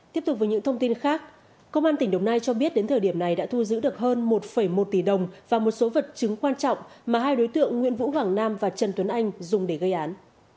tiếp tục với những thông tin khác công an tỉnh đồng nai cho biết đến thời điểm này đã thu giữ được hơn một một tỷ đồng và một số vật chứng quan trọng mà hai đối tượng nguyễn vũ hoàng nam và trần tuấn anh dùng để gây án